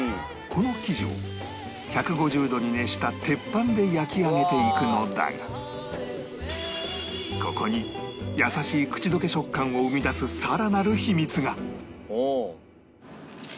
この生地を１５０度に熱した鉄板で焼き上げていくのだがここに優しい口溶け食感を生み出すさらなる秘密が